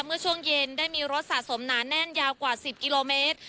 เมื่อช่วงเย็นได้มีรถสะสมหนาแน่นยาวกว่า๑๐กิโลเมตร